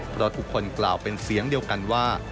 เพราะทุกคนกล่าวเป็นเสียงเดียวกันว่า